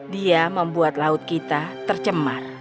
dia membuat laut kita tercemar